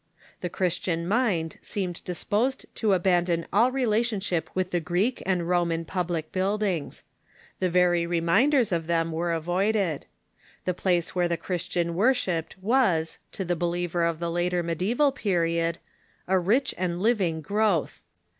The Christian mind seemed disposed to abandon all relationship with the Greek and Roman public buildings. The very reminders of them were avoided. The place where the Christian worshipped was, to the believer of the later mediseval period, a rich and living growth.